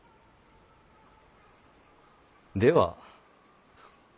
では